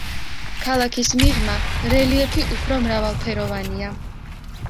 ქალაქის მიღმა რელიეფი უფრო მრავალფეროვანია.